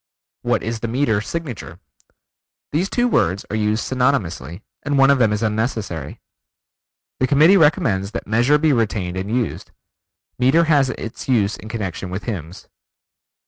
"What is the meter signature?" These two words are used synonymously, and one of them is unnecessary. The Committee recommends that Measure be retained and used. Meter has its use in connection with hymns.